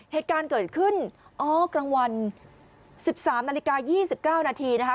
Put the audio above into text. เหตุการณ์เกิดขึ้นอ๋อกลางวัน๑๓นาฬิกา๒๙นาทีนะคะ